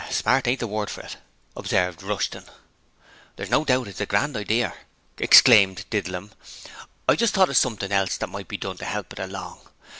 'Smart ain't the word for it,' observed Rushton. 'There's no doubt it's a grand idear!' exclaimed Didlum, 'and I've just thought of something else that might be done to help it along.